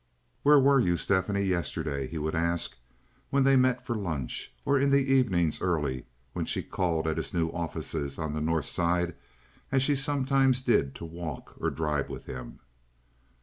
"Where were you, Stephanie, yesterday?" he would ask, when they met for lunch, or in the evenings early, or when she called at his new offices on the North Side, as she sometimes did to walk or drive with him.